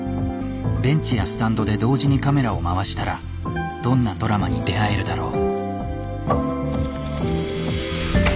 ベンチやスタンドで同時にカメラを回したらどんなドラマに出会えるだろう。